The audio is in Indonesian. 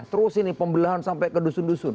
terus ini pembelahan sampai ke dusun dusun